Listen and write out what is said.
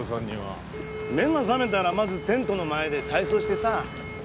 目が覚めたらまずテントの前で体操してさ。